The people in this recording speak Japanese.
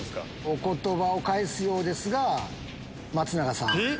お言葉を返すようですが松永さん。